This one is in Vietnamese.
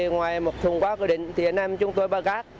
ngoài một thùng quá quy định thì anh em chúng tôi ba các